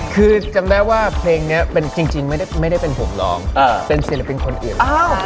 คือจำได้ว่าเพลงนี้จริงไม่ได้เป็นผมร้องเป็นศิลปินคนอื่น